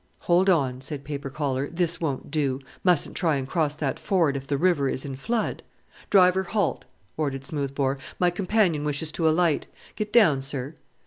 'Hold on,' said Paper collar, 'this won't do; mustn't try and cross that ford if the river is in flood.' 'Driver, halt,' ordered Smoothbore, 'my companion wishes to alight; get down, sir.'